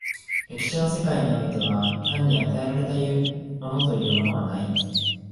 歴史の世界においては単に与えられたものというものはない。